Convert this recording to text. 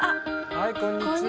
はいこんにちは。